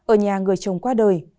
ở nhà người chồng qua đời